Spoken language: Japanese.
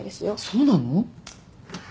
そうなの？